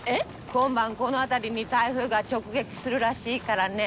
今晩この辺りに台風が直撃するらしいからね。